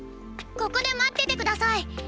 ここで待ってて下さい。